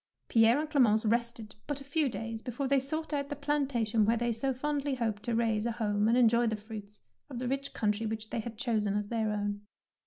Pierre and Clemence rested but a few days before they sought out the plantation where they so fondly hoped to raise a home and enjoy the fruits of the rich country which they had chosen as their own.